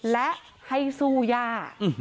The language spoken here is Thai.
และให้สู้ย่า